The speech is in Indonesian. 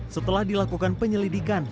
setelah dilakukan penyelidikan